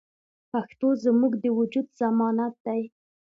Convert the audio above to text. پښتو زموږ د وجود ضمانت دی.